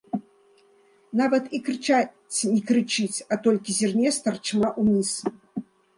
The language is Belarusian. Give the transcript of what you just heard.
Нават і крычаць не крычыць, а толькі зірне старчма ўніз.